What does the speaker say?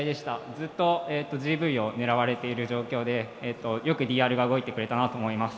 ずっとＧＶを狙われている状況でよくＤＲが動いてくれたなと思います。